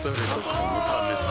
このためさ